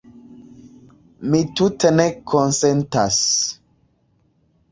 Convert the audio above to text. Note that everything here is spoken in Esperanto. Mi tute ne konsentas.